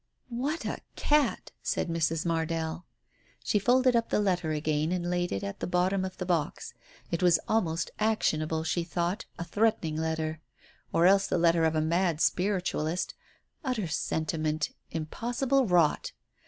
"What a cat ! "said Mrs. Mardell. She folded up the letter again and laid it at the bottom of the box. It was almost actionable, she thought, a threatening letter. Or else the letter of a mad spiritual ist — utter sentimental, impossible rot.